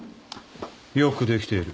よくできている。